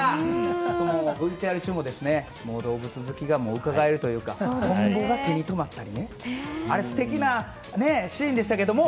このＶＴＲ中も、動物好きがうかがえるというかトンボが手にとまったというあれ、素敵なシーンでしたけども。